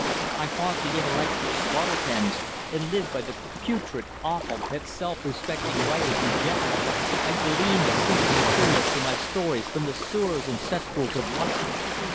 I haunt the intellectual slaughter pens, and live by the putrid offal that self respecting writers reject. I glean the stinking materials for my stories from the sewers and cesspools of life.